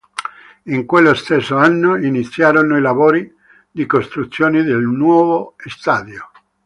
In quello stesso anno iniziarono i lavori di costruzione del nuovo stadio.